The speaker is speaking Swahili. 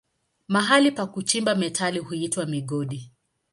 Mahali pa kuchimba metali huitwa migodi.